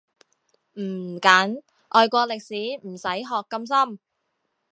唔緊，外國歷史唔使學咁深